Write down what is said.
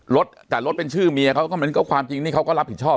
รถแต่รถเป็นชื่อเมียเขาก็มันก็ความจริงนี่เขาก็รับผิดชอบ